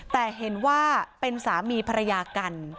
แต่เห็นว่าเป็นสามีภรรยากัน